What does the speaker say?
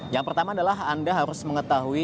yang pertama adalah anda harus memainkan game pokemon go ini